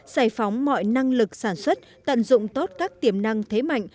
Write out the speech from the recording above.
giải phóng mọi năng lực sản xuất tận dụng tốt các tiềm năng thế mạnh